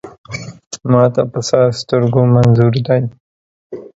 ما ته په سر سترګو منظور دی.